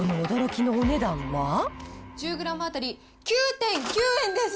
１０グラム当たり９．９円です。